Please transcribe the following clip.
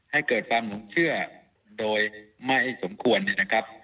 ให้เกิดความหนุ่มเชื่อโดยไม่สมควรนะครับ